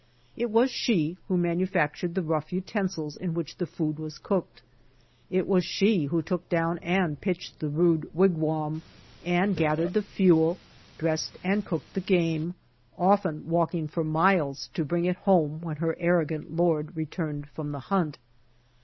It was she who manu factured the rough utensils in which the food was cooked. It was she who took down and pitched the rude wigwam and gathered the fuel, dressed and cooked the game, often walking for miles to bring it home, when her arrogant lord returned from the hunt.